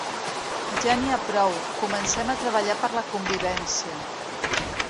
Ja n’hi ha prou, comencem a treballar per la convivència.